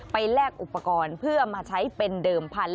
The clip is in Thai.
แลกอุปกรณ์เพื่อมาใช้เป็นเดิมพันธุ